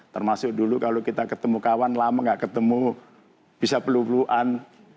termasuk dulu kalau kita ketemu kawan lama nggak ketemu bisa pelu peluan